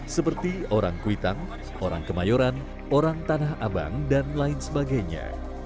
seperti orang kuitang orang kemayoran orang tanah abang dan lain sebagainya